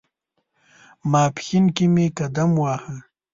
ماپښین کې مې قدم واهه.